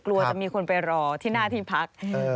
กลัวจะมีคนไปรอที่หน้าที่พัก